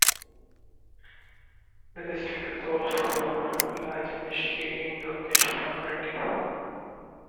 The district is also home to a large Meskhetian Turkish minority.